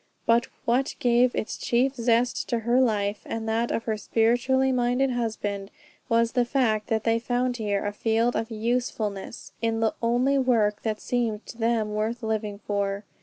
But what gave its chief zest to her life and that of her spiritually minded husband, was the fact that they found here a field of usefulness in the only work that seemed to them worth living for.